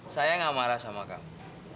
saya gak marah sama kamu